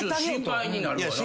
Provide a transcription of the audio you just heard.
心配になるわな。